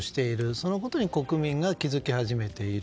そのことに国民が気付き始めている。